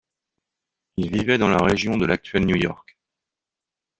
Ils vivaient dans la région de l'actuelle New York.